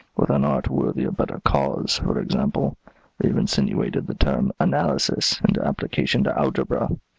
With an art worthy a better cause, for example, they have insinuated the term 'analysis' into application to algebra.